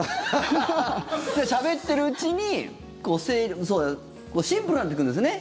しゃべってるうちに整理シンプルになっていくんですよね